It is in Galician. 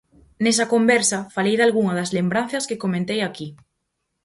Nesa conversa falei dalgunha das lembranzas que comentei aquí.